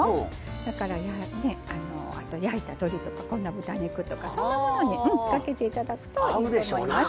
だから、あと焼いた鶏とか豚肉とか、そういうのにかけていただくといいと思います。